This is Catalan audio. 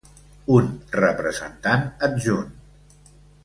Un representant adjunt